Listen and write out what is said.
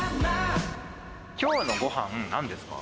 きょうのごはん、なんですか？